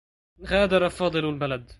غادر فاضل البلد.